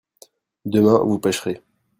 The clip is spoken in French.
demain vous pêcherez.